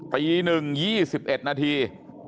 ปีหนึ่ง๒๑นาที